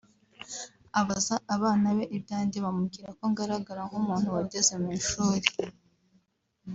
abaza abana be ibyanjye bamubwira ko ngaragara nk’umuntu wageze mu ishuli